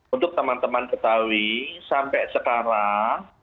untuk teman teman ketahui sampai sekarang